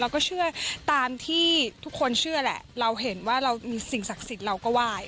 เราก็เชื่อตามที่ทุกคนเชื่อแหละเราเห็นว่าเรามีสิ่งศักดิ์สิทธิ์เราก็ไหว้